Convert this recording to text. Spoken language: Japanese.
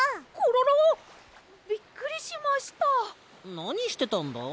なにしてたんだ？